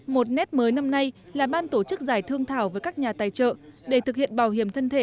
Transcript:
một nét mới năm nay là ban tổ chức giải thương thảo với các nhà tài trợ để thực hiện bảo hiểm thân thể